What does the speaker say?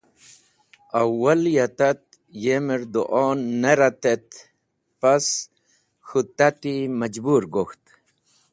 Awwal ya tat yemer du’o ne ret et pas k̃hũ tati majbũr gok̃ht.